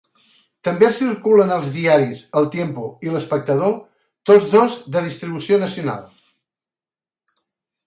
També circulen els diaris "El Tiempo" i "El Espectador", tots dos de distribució nacional.